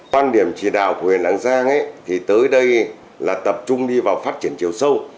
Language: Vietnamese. quan điểm chỉ đạo của huyện lạng giang thì tới đây là tập trung đi vào phát triển chiều sâu